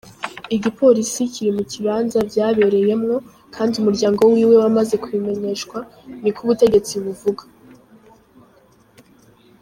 Igipolisi kiri mu kibanza vyabereyemwo kandi umuryango wiwe wamaze kubimenyeshwa, niko ubutegetsi buvuga.